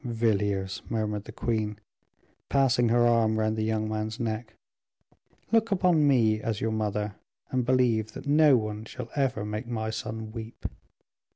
"Villiers," murmured the queen, passing her arm round the young man's neck, "look upon me as your mother, and believe that no one shall ever make my son weep."